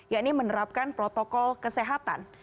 yakni menerapkan protokol kesehatan